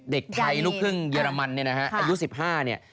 เด็กไทยลูกครึ่งเยอรมันเนี่ยนะฮะอายุ๑๕เนี่ย